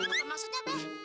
apa maksudnya peh